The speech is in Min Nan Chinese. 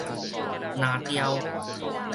藍調